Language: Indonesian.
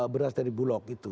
beras dari bulog itu